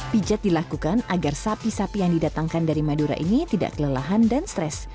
pijat dilakukan agar sapi sapi yang didatangkan dari madura ini tidak kelelahan dan stres